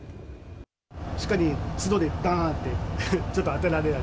シカに角でばーんって、ちょっと当てられた。